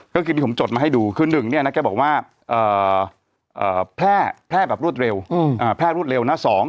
ที่ผมจดมาให้ดูคือ๑แพร่แร็บรวดเร็ว